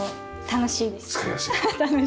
楽しいです。